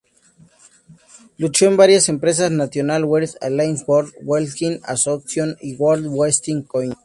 Luchó en varias empresas, National Wrestling Alliance, World Wrestling Association y World Wrestling Council.